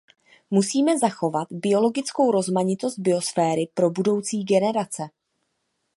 Musíme zachovat biologickou rozmanitost biosféry pro budoucí generace.